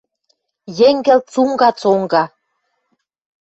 Йӹнгӹл цунга-цонга.